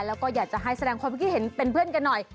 แล้วก็อยากจะให้แสดงความคิดเห็นเป็นเพื่อนกันหน่อย